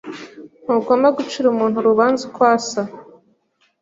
Ntugomba gucira umuntu urubanza uko asa.